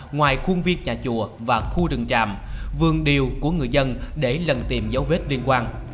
ngoài khuôn viên nhà chùa và khu rừng tràm vườn điều của người dân để lần tìm dấu vết liên quan